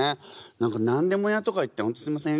何か「なんでも屋」とか言って本当すいません。